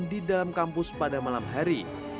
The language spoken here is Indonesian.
di dalam kampus pada malam hari